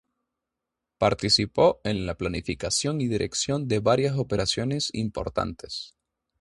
Participó en la planificación y dirección de varias operaciones importantes.